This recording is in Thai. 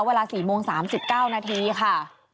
เวลาสี่โมงสามสิบเก้านาทีค่ะ